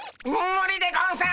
むりでゴンス！